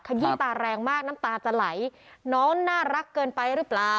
ขยี้ตาแรงมากน้องมันน้องน่ารักเกินไปหรือเปล่า